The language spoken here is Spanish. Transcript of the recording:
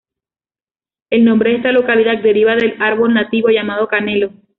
El nombre de esta localidad deriva del árbol nativo llamado Canelo.